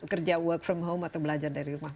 bekerja work from home atau belajar dari rumah